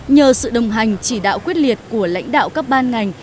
nhờ sự đồng hành chỉ đạo quyết liệt của lãnh đạo các ban ngành